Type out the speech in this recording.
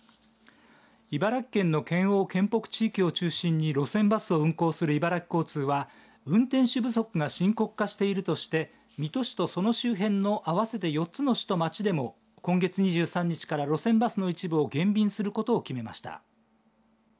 茨城県の県央、県北地域を中心に路線バスを運行する茨城交通は、運転手不足が深刻化しているとして水戸市とその周辺の合わせて４つの市と町でも今月２３日から路線バスの一部を減便することを決めました。